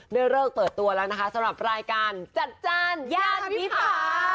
เลิกเปิดตัวแล้วนะคะสำหรับรายการจัดจ้านย่านวิพา